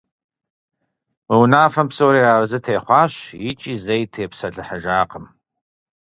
Мы унафэм псори аразы техъуащ икӏи зэи тепсэлъыхьыжакъым.